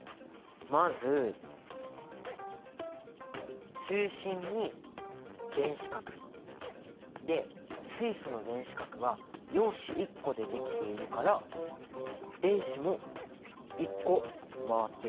まず中心に原子核。で水素の原子核は陽子１個でできているから電子も１個回っている。